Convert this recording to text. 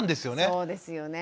そうですよね。